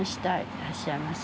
いらっしゃいませ。